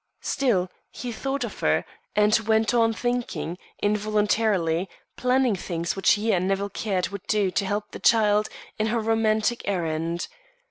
Still, he thought of her, and went on thinking, involuntarily planning things which he and Nevill Caird would do to help the child, in her romantic errand.